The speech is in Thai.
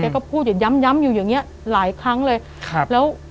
ก็พูดอย่างย้ำย้ำอยู่อย่างเงี้ยหลายครั้งเลยครับแล้ว